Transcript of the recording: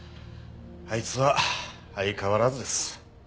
あいつは相変わらずです。